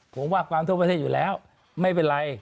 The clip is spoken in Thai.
ผมว่าความทั่วประเทศอยู่แล้วไม่เป็นไร